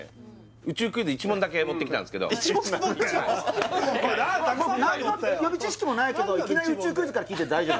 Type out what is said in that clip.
宇宙クイズ１問だけ持ってきたんですけど僕何も予備知識もないけどいきなり宇宙クイズから聞いて大丈夫？